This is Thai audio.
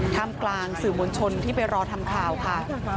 กลางสื่อมวลชนที่ไปรอทำข่าวค่ะ